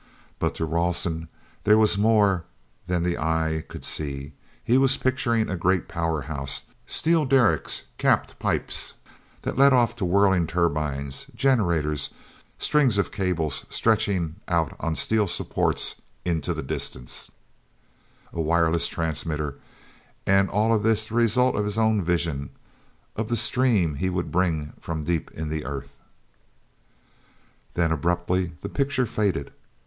But to Rawson, there was more than the eye could see. He was picturing a great powerhouse, steel derricks, capped pipes that led off to whirring turbines, generators, strings of cables stretching out on steel supports into the distance, a wireless transmitter—and all of this the result of his own vision, of the stream he would bring from deep in the earth! Then, abruptly, the pictures faded.